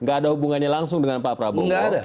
gak ada hubungannya langsung dengan pak prabowo